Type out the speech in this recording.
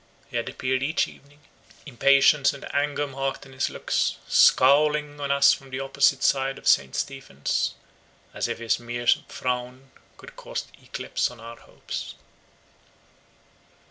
He had appeared each evening, impatience and anger marked in his looks, scowling on us from the opposite side of St. Stephen's, as if his mere frown would cast eclipse on our hopes.